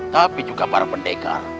tapi juga para pendekar